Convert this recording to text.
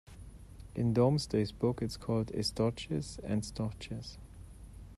In Domesday Book it is called "Estoches" and "Stoches".